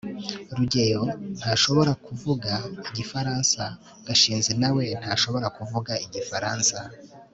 rugeyo ntashobora kuvuga igifaransa gashinzi nawe ntashobora kuvuga igifaransa